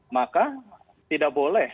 maka tidak boleh